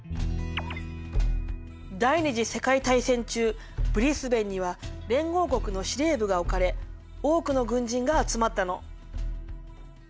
第二次世界大戦中ブリスベンには連合国の司令部が置かれ多くの軍人が集まったの。